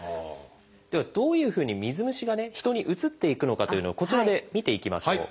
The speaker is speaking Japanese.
ではどういうふうに水虫が人にうつっていくのかというのをこちらで見ていきましょう。